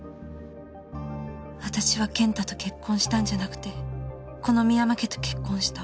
私は健太と結婚したんじゃなくてこの深山家と結婚した